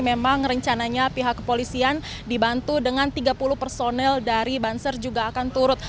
memang rencananya pihak kepolisian dibantu dengan tiga puluh personel dari banser juga akan turut